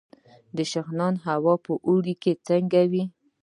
د شغنان هوا په اوړي کې څنګه وي؟